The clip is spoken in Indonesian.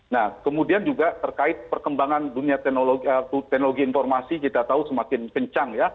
nah kemudian juga terkait perkembangan dunia teknologi informasi kita tahu semakin kencang ya